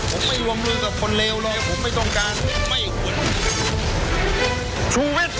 ผมไม่วงลืมกับคนเลวหรอกผมไม่ต้องการ